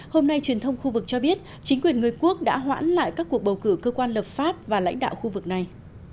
hôm nay truyền thông khu vực cho biết chính quyền người quốc đã hoãn lại các cuộc bầu cử cơ quan lập pháp và lãnh đạo khu vực này